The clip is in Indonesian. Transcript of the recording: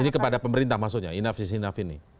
ini kepada pemerintah maksudnya enough is enough ini